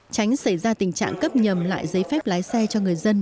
tránh xảy ra tình trạng cấp nhầm lại giấy phép lái xe cho người dân